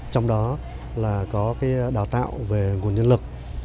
trong đó là có đào tạo về nguồn nhân lực